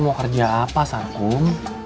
mau kerja apa sarkum